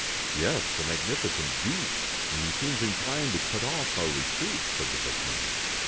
'* Yes ; a magnificent beast, and he seems inclined to cut off our retreat," said the bushman.